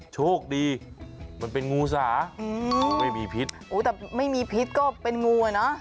โชคดีมันเป็นงูสาไม่มีพิษโอ้แต่ไม่มีพิษก็เป็นงูอ่ะเนอะ